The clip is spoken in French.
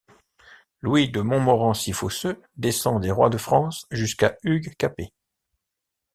Louis de Montmorency-Fosseux descend des rois de France jusqu'à Hugues Capet.